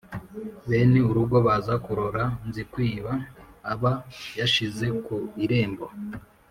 Bene urugo baza kurora Nzikwiba aba yashinze ku irembo,